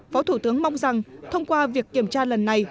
phó thủ tướng mong rằng thông qua việc kiểm tra lần này